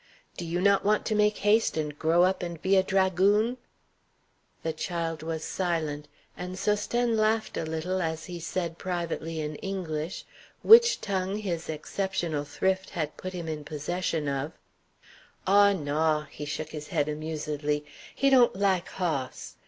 "Do you not want to make haste and grow up and be a dragoon?" The child was silent, and Sosthène laughed a little as he said privately in English, which tongue his exceptional thrift had put him in possession of: "Aw, naw!" he shook his head amusedly "he dawn't like hoss.